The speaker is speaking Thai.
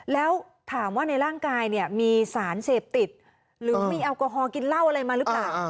แล้วถามว่าในร่างกายเนี่ยมีสารเสพติดหรือมีแอลกอฮอลกินเหล้าอะไรมาหรือเปล่า